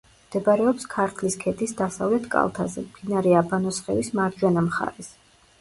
მდებარეობს ქართლის ქედის დასავლეთ კალთაზე, მდინარე აბანოსხევის მარჯვენა მხარეს.